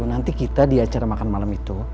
nanti kita di acara makan malam itu